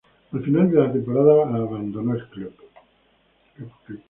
Al final de la temporada, abandonó el club.